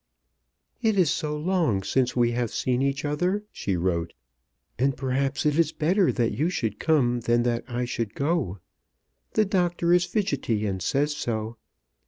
"It is so long since we have seen each other," she wrote, "and, perhaps, it is better that you should come than that I should go. The doctor is fidgety, and says so.